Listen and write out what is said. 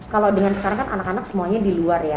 kalau dengan sekarang kan anak anak semuanya di luar ya